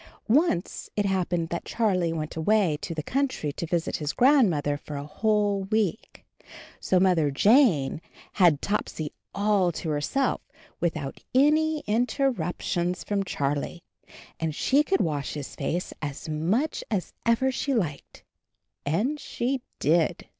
Once it happened that Charlie went away to the country to visit his grandmother for a whole week. So Mother Jane had Topsy 14 CHARLIE AND HIS KITTEN TOPSY 15 all to herself without any in ter rup tions from Charlie, and she could wash his face as much as ever she liked — and she did!